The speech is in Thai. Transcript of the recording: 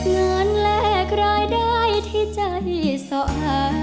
แลกรายได้ที่ใจสะอา